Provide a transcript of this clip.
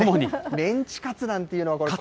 メンチカツなんていうのは。